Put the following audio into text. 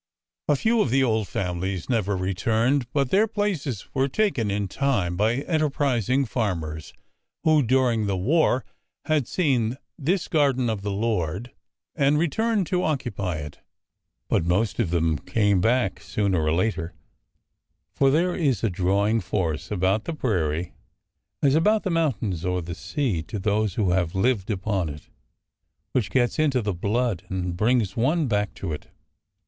A few of the old families never returned, but their places were taken in time by enterprising farmers who, during the war, had seen this garden of the Lord," and returned to occupy it. But most of them came back sooner or later, for there is a drawing force about the prairie as about the mountains or the sea, to those who have lived upon it, which gets into the blood and brings one back to it.